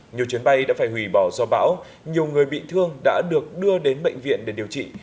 nhiều chuyến bay đã phải hủy bỏ do bão nhiều người bị thương đã được đưa đến bệnh viện để điều trị